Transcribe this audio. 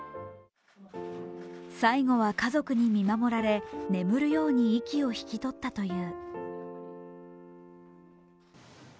最期は家族に見守られ眠るように息を引き取ったという。